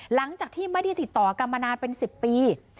หลังจากที่ไม่ได้ติดต่อกันมานานเป็น๑๐ปี